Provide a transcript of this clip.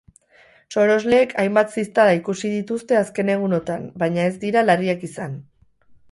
Sorosleek hainbat ziztada ikusi dituzte azken egunotan, baina ez dira larriak izan.